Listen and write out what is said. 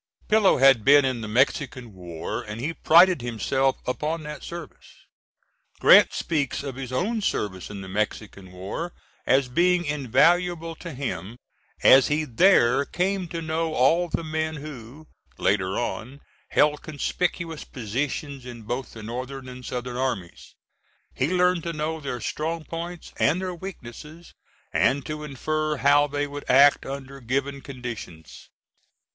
Pillow had been in the Mexican War and he prided himself upon that service. Grant speaks of his own service in the Mexican War as being invaluable to him as he there came to know all the men who, later on, held conspicuous positions in both the Northern and Southern armies; he learned to know their strong points and their weaknesses, and to infer how they would act under given conditions.